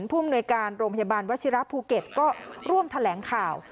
ภูมิหน่วยการโรงพยาบาลวชิระภูเก็ตก็ร่วมแถลงข่าว